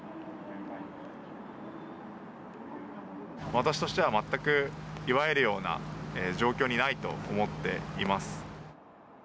私としては全く祝えるような状況にないと思ってます。